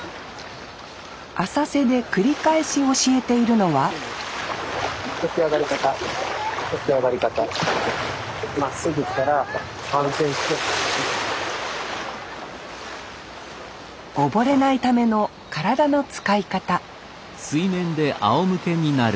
浅瀬で繰り返し教えているのは溺れないための体の使い方